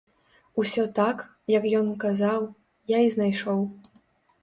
Усё так, як ён казаў, я і знайшоў.